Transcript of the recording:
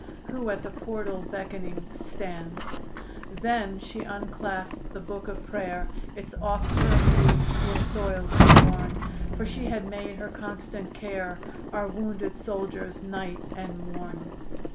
Who at the portal beckoning stands. Then she unclasped the book of prayer, Its oft turned leaves were soiled and worn, For she had made her constant care Our wounded soldiers night and morn.